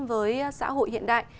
với xã hội hiện đại